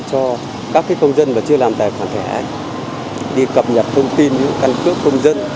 các cái công dân mà chưa làm tài khoản thẻ đi cập nhập thông tin những căn cứ công dân